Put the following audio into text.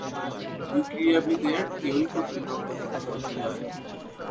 দুই ক্রীড়াবিদের কেউই প্রথম রাউন্ড অতিক্রম করতে পারেননি।